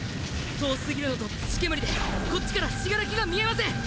遠すぎるのと土煙でこっちから死柄木が見えません！